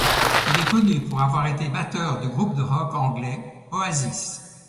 Il est connu pour avoir été batteur du groupe de rock anglais Oasis.